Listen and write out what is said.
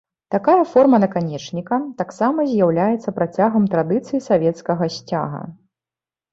Такая форма наканечніка таксама з'яўляецца працягам традыцый савецкага сцяга.